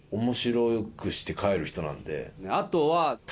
あとは。